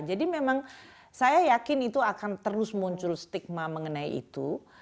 jadi memang saya yakin itu akan terus muncul stigma mengenai itu